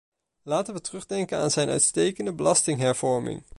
Laten we terugdenken aan zijn uitstekende belastinghervorming.